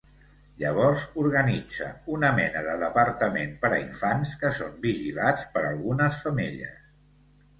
Llavors organitza una mena de departament per a infants, que són vigilats per algunes femelles.